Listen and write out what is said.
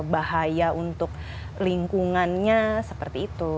bahaya untuk lingkungannya seperti itu